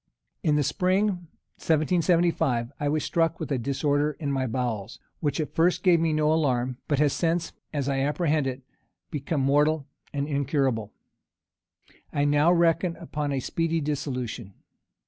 In spring, 1775, I was struck with a disorder in my bowels, which at first gave me no alarm, but has since, as I apprehend it, become mortal and incurable. I now reckon upon a speedy dissolution.